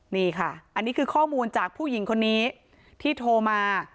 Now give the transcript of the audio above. นี่ค่ะอันนี้คือข้อมูลจากผู้หญิงคนนี้ที่โทรมา